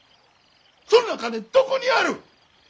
そんな金どこにある！